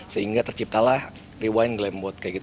sehingga terciptalah rewind glambot kayak gitu